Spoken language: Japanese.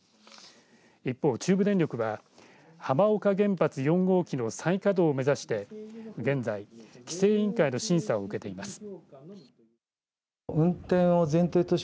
一方、中部電力は浜岡原発４号機の再稼働を目指して現在、規制委員会の審査を受けています。